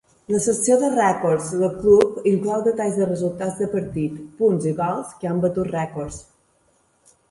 La secció de rècords del club inclou detalls de resultats de partit, punts i gols que han batut rècords.